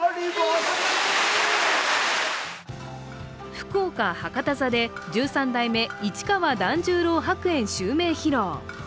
福岡・博多座で十三代目市川團十郎白猿襲名披露。